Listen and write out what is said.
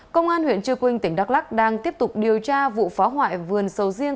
công an huyện trư quynh tỉnh đắk lắc đang tiếp tục điều tra vụ phá hoại vườn sầu riêng